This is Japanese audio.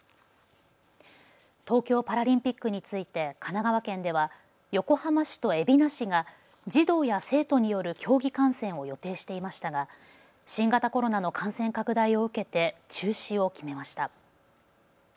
東京パラリンピックについて神奈川県では横浜市と海老名市が児童や生徒による競技観戦を予定していましたが新型コロナの感染拡大を受けて中止を決めました。